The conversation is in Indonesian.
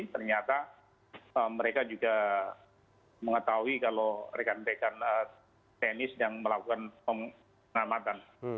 ternyata mereka juga mengetahui kalau rekan rekan tni sedang melakukan pengamatan